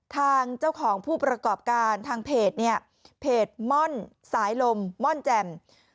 ทางเจ้าของผู้ประกอบการทางเพจเนี่ยเพจม่อนสายลมม่อนแจ่ม